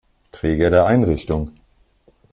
Träger der Einrichtung.